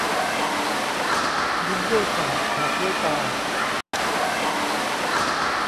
ยิ้มด้วยปาก ถากด้วยตา